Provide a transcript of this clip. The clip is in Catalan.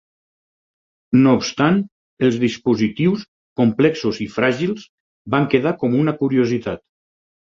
No obstant, els dispositius, complexos i fràgils, van quedar com una curiositat.